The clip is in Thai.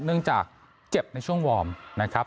เนื่องจากเจ็บในช่วงวอร์มนะครับ